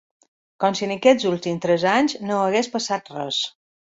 Com si en aquests últims tres anys no hagués passat res.